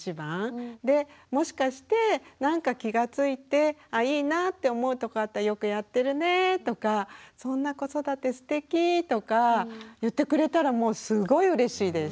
でもしかして何か気がついてあいいなぁって思うとこあったら「よくやってるね」とか「そんな子育てすてき」とか言ってくれたらもうすごいうれしいです。